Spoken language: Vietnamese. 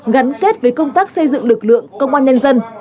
gắn kết với công tác xây dựng lực lượng công an nhân dân